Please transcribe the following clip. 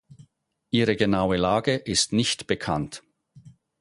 Ihre genaue Lage ist nicht bekannt.